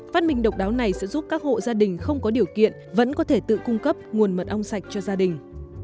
phát minh độc đáo này sẽ giúp các hộ gia đình không có điều kiện vẫn có thể tự cung cấp nguồn mật ong sạch cho gia đình